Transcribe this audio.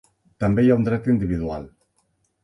També hi ha un dret individual.